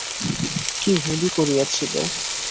কী ভুলই করিয়াছিল!